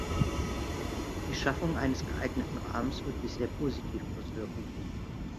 Die Schaffung eines geeigneten Rahmens wird sich sehr positiv auswirken.